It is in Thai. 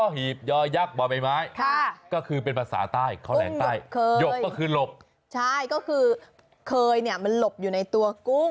หลบใช่ก็คือเคยเนี่ยมันหลบอยู่ในตัวกุ้ง